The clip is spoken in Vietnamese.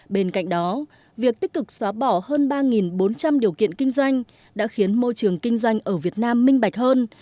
bên cạnh đó việc tích cực xóa bỏ hơn ba bốn trăm linh điều kiện kinh doanh đã khiến môi trường kinh doanh ở việt nam minh bạch hơn